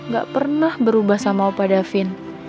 gak pernah berubah sama opa davin